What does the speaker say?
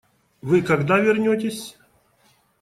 Вы когда вернетесь?